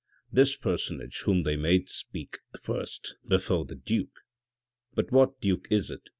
This personage whom they made speak first before the duke ("but what duke is it?"